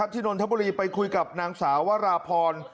นนทบุรีไปคุยกับนางสาววราพร